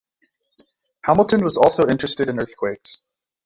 Hamilton was also interested in earthquakes.